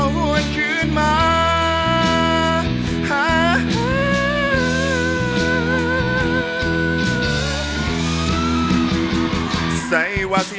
ขอบคุณมาก